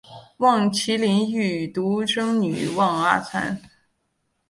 望麒麟育有独生女望阿参。